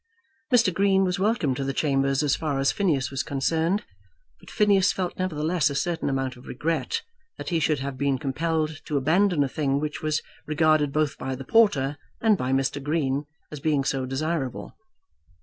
Mr. Green was welcome to the chambers as far as Phineas was concerned; but Phineas felt nevertheless a certain amount of regret that he should have been compelled to abandon a thing which was regarded both by the porter and by Mr. Green as being so desirable.